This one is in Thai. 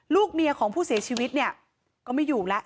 ลูกเมียของผู้เสียชีวิตเนี่ยก็ไม่อยู่แล้ว